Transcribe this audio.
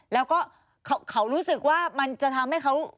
แล้วก็เขารู้สึกว่ามันจะทำให้เขา